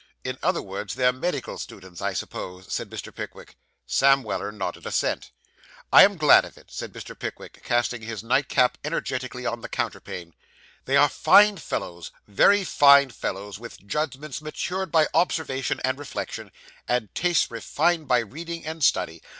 In other words they're medical students, I suppose?' said Mr. Pickwick. Sam Weller nodded assent. 'I am glad of it,' said Mr. Pickwick, casting his nightcap energetically on the counterpane. 'They are fine fellows very fine fellows; with judgments matured by observation and reflection; and tastes refined by reading and study.